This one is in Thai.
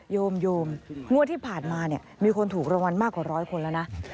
โยมโยมงวดที่ผ่านมาเนี่ยมีคนถูกรางวัลมากกว่าร้อยคนแล้วนะ